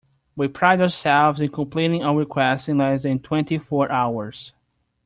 We pride ourselves in completing all requests in less than twenty four hours.